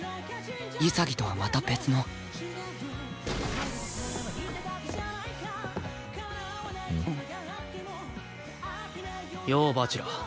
潔とはまた別のよう蜂楽。